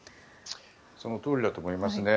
そのとおりだと思いますね。